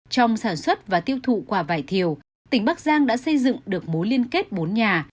trong sản xuất và tiêu thụ quả vải thiều tỉnh bắc giang đã xây dựng được mối liên kết bốn nhà